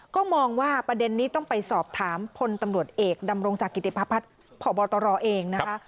ก็มองว่าประเด็นนี้ต้องไปสอบถามพลตำรวจเอกดำรงศักดิติพพัฒน์พบตรเองนะคะ